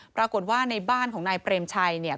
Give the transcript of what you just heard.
ปรากฏว่าในบ้านของนายเปรมชัยเนี่ย